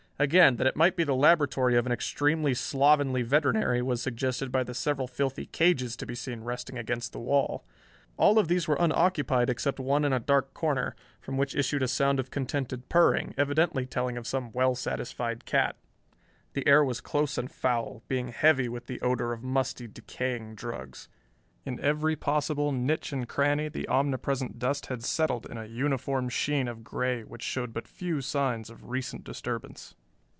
Again, that it might be the laboratory of an extremely slovenly veterinary was suggested by the several filthy cages to be seen resting against the wall. All of these were unoccupied except one in a dark corner, from which issued a sound of contented purring, evidently telling of some well satisfied cat. The air was close and foul, being heavy with the odor of musty, decaying drugs. In every possible niche and cranny the omnipresent dust had settled in a uniform sheen of gray which showed but few signs of recent disturbance.